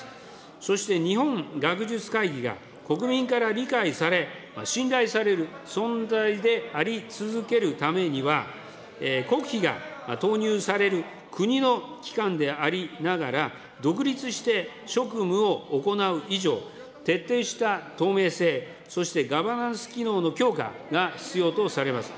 そして、日本学術会議が国民から理解され、信頼される存在であり続けるためには、国費が投入される国の機関でありながら、独立して職務を行う以上、徹底した透明性、そしてガバナンス機能の強化が必要とされます。